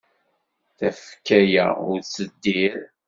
Tafekka-a ur teddir.